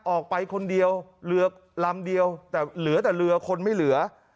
ออกไปคนเดียวเรือลำเดียวแต่เหลือแต่เรือคนไม่เหลือ